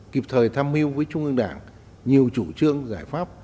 kịp thời tham mưu với trung ương đảng nhiều chủ trương giải pháp